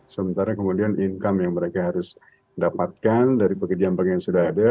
sementara kemudian income yang mereka harus dapatkan dari pekerjaan pekerjaan yang sudah ada